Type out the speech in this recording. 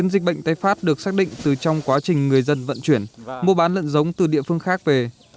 dịch bệnh tái phát được xác định từ trong quá trình người dân vận chuyển mua bán lợn giống từ địa phương khác về